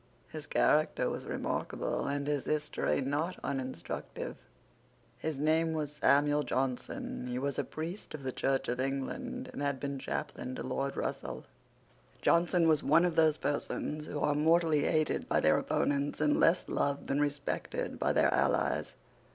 His character was remarkable, and his history not uninstructive. His name was Samuel Johnson. He was a priest of the Church of England, and had been chaplain to Lord Russell. Johnson was one of those persons who are mortally hated by their opponents, and less loved than respected by their allies.